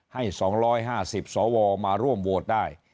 ให้๒๕๐สวมาร่วมโหวตได้